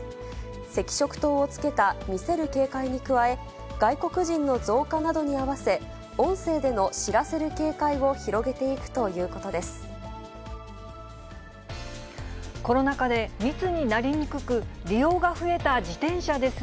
赤色灯をつけた見せる警戒に加え、外国人の増加などに合わせ、音声での知らせる警戒を広げていくということです。